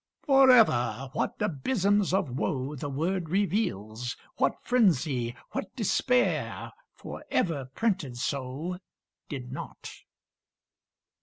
Forever! What abysms of woe The word reveals, what frenzy, what Despair! For ever (printed so) Did not.